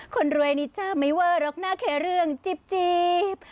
คนรวยนี่จ้ะไม่ว่ารอกหน้าแค่เรื่องจิบจีบ